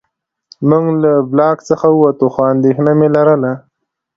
موږ له بلاک څخه ووتو خو اندېښنه مې لرله